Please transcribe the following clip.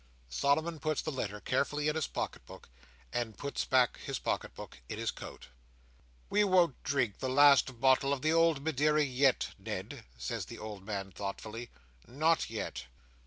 '" Solomon puts back the letter carefully in his pocket book, and puts back his pocket book in his coat. "We won't drink the last bottle of the old Madeira yet, Ned," says the old man thoughtfully. "Not yet.